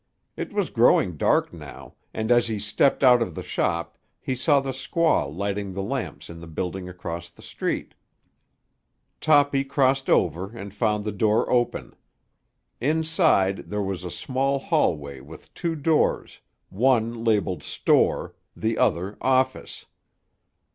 It was growing dark now, and as he stepped out of the shop he saw the squaw lighting the lamps in the building across the street. Toppy crossed over and found the door open. Inside there was a small hallway with two doors, one labelled "Store," the other "Office."